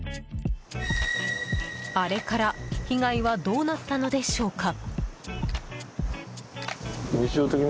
あれから被害はどうなったのでしょうか。